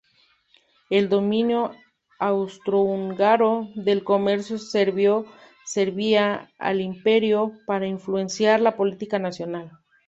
El dominio austrohúngaro del comercio serbio servía al imperio para influenciar la política nacional.